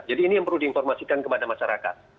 jadi ini yang perlu diinformasikan kepada masyarakat